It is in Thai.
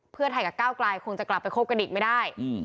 เพื่อไทยกับก้าวกลายคงจะกลับไปคบกันอีกไม่ได้